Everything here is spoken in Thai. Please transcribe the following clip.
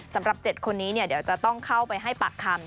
สำหรับ๗คนนี้เดี๋ยวจะต้องเข้าไปให้ปากคำ